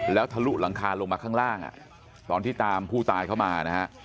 แล้วทะลุหลังคาลงมาข้างล่างตอนที่ตามผู้ตายเข้ามานะฮะ